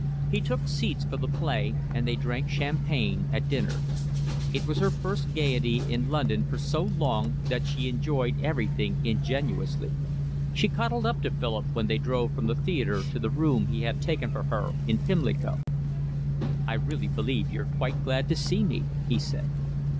He took seats for the play, and they drank champagne at dinner. It was her first gaiety in London for so long that she enjoyed everything ingenuously. She cuddled up to Philip when they drove from the theatre to the room he had taken for her in Pimlico. "I really believe you're quite glad to see me," he said.